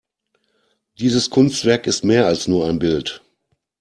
Dieses Kunstwerk ist mehr als nur ein Bild.